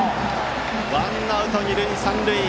ワンアウト、二塁三塁。